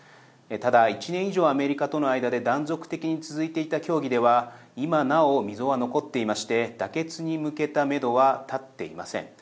ただ、１年以上アメリカとの間で断続的に続いていた協議では今なお、溝は残っていまして妥結に向けためどは立っていません。